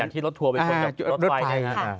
อย่างที่รถทัวร์เป็นคนรถไฟ